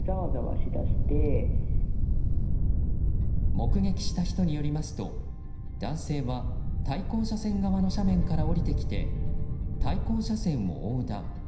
目撃した人によりますと男性は、対向車線側の斜面から下りてきて対向車線を横断。